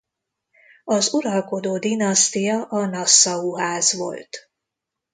Az uralkodó dinasztia a Nassau-ház volt.